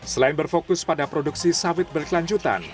selain berfokus pada produksi sawit berkelanjutan